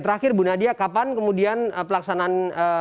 terakhir bu nadia kapan kemudian pelaksanaan